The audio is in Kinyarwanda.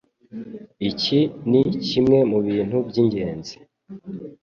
Iki ni kimwe mu bintu by'ingenzi